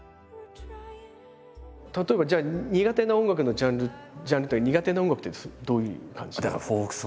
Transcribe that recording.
例えばじゃあ苦手な音楽のジャンルジャンルというか苦手な音楽ってどういう感じなんですか？